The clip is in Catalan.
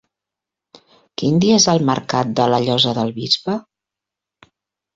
Quin dia és el mercat de la Llosa del Bisbe?